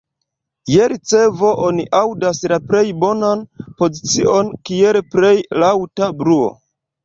Je ricevo oni aŭdas la plej bonan pozicion kiel plej laŭta bruo.